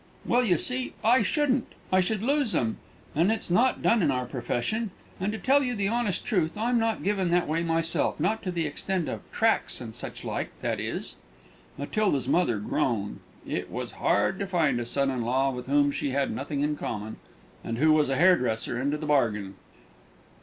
"Well, you see, I shouldn't I should lose 'em! And it's not done in our profession; and, to tell you the honest truth, I'm not given that way myself not to the extent of tracks and suchlike, that is." Matilda's mother groaned; it was hard to find a son in law with whom she had nothing in common, and who was a hairdresser into the bargain.